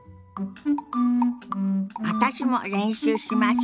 私も練習しましょ。